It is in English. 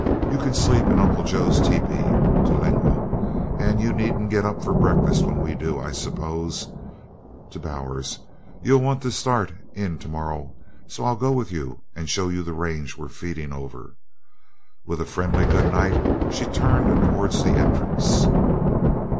You can sleep in Uncle Joe's tepee," to Lingle, "and you needn't get up for breakfast when we do. I suppose," to Bowers, "you'll want to start in to morrow, so I'll go with you and show you the range we're feeding over." With a friendly good night she turned towards the entrance.